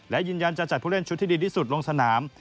และยืนยันจะจัดผู้เล่นชุดที่ดีที่สุดลงสนาม